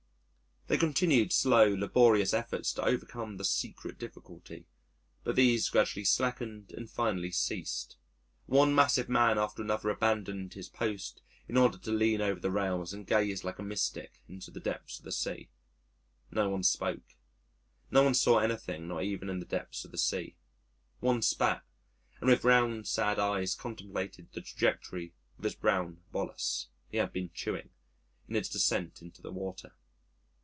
They continued slow, laborious efforts to overcome the secret difficulty. But these gradually slackened and finally ceased. One massive man after another abandoned his post in order to lean over the rails and gaze like a mystic into the depths of the sea. No one spoke. No one saw anything not even in the depths of the sea. One spat, and with round, sad eyes contemplated the trajectory of his brown bolus (he had been chewing) in its descent into the water.